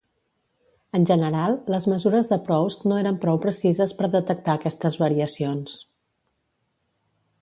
En general, les mesures de Proust no eren prou precises per detectar aquestes variacions.